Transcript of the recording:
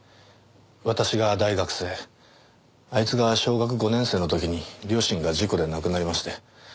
私が大学生あいつが小学５年生の時に両親が事故で亡くなりまして。